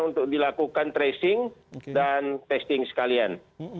untuk dilakukan tracing dan testing sekalian